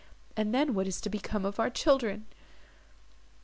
and then what is to become of our children!"